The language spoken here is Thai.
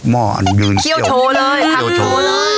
เคี่ยวโชว์เลย